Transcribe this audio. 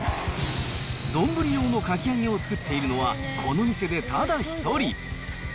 丼用のかき揚げを作っているのは、この店でただ一人。